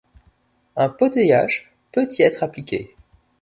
Un poteyage peut y être appliqué.